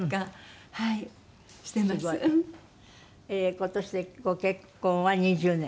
今年でご結婚は２０年？